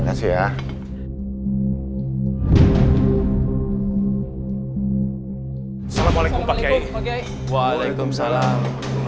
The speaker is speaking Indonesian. hai salamualaikum pak yai waalaikumsalam